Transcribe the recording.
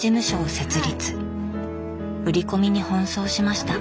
売り込みに奔走しました。